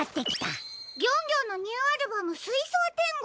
ギョンギョンのニューアルバム「すいそう天国」。